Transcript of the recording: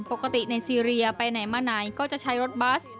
ปกติในซีเรียไปไหนมาไหนก็จะใช้รถบัส